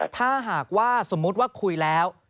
ถ้าหากว่าสมมุติว่าคุยแล้ว